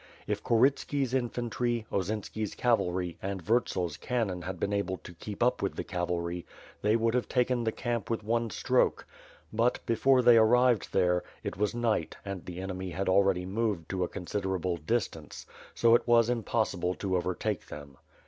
If Korytski's in fantry, Osinski's cavalry, and Vurtsel's cannon had been able to keep up with the cavalry, they would have taken the camp with one stroke; but, before they arrived there, it was night and the enemy had already moved to a considerable distance; so it was impossible to overtake them.